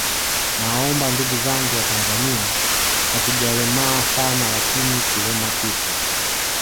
Nawaomba ndugu zangu watanzania hatujalemaa sana lakini kilema kipo